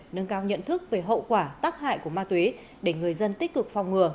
nâng cao nhận thức về hậu quả tắc hại của ma túy để người dân tích cực phòng ngừa